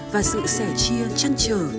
và sự sẻ chia trăn trở